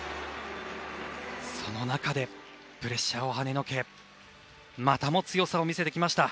その中でプレッシャーを跳ねのけまたも強さを見せてきました。